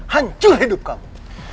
hancur hidup kamu